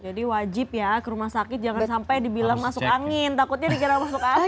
jadi wajib ya ke rumah sakit jangan sampai dibilang masuk angin takutnya digerak masuk angin